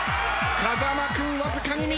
風間君わずかに右。